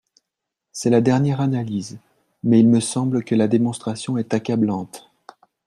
C’est la dernière analyse, mais il me semble que la démonstration est accablante.